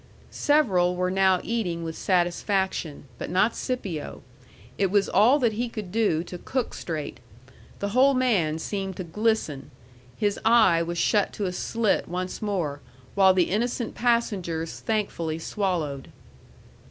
Several were now eating with satisfaction, but not Scipio. It was all that he could do to cook straight. The whole man seemed to glisten. His eye was shut to a slit once more, while the innocent passengers thankfully swallowed.